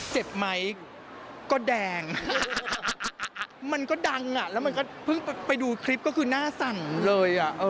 เจ็บไหมก็แดงมันก็ดังอ่ะแล้วมันก็เพิ่งไปดูคลิปก็คือหน้าสั่นเลย